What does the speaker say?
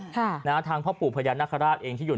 ทางพ่อปูพญานนครราชเองที่อยู่ในวัดของพ่อปู